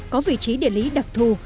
có vị trí địa lý đặc thù